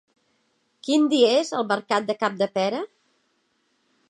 Quin dia és el mercat de Capdepera?